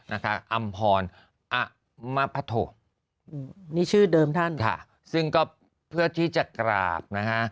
อำพรอมพะโถนี่ชื่อเดิมท่านค่ะซึ่งก็เพื่อที่จะกราบนะฮะ